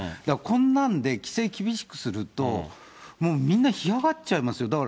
だからこんなんで規制厳しくすると、もうみんな干上がっちゃいますよ。